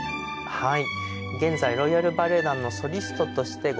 はい。